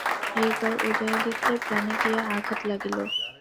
এইবার উদয়াদিত্যের প্রাণে গিয়া আঘাত লাগিল।